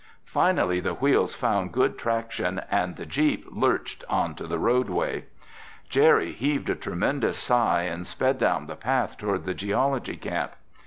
Finally the wheels found good traction and the jeep lurched onto the roadway. Jerry heaved a tremendous sigh and sped down the path toward the geology camp.